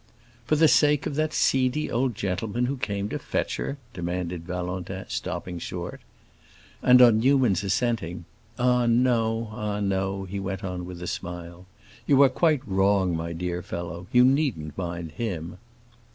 "For the sake of that seedy old gentleman who came to fetch her?" demanded Valentin, stopping short. And on Newman's assenting, "Ah no, ah no," he went on with a smile. "You are quite wrong, my dear fellow; you needn't mind him."